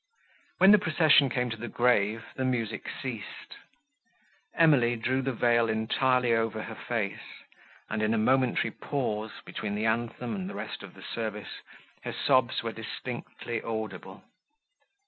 When the procession came to the grave the music ceased. Emily drew the veil entirely over her face, and, in a momentary pause, between the anthem and the rest of the service, her sobs were distinctly audible.